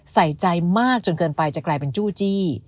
ใส่ใจมากจนเกินไปจะกลายเป็นจู้จี้